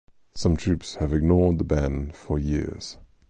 Some troops have ignored the ban for years.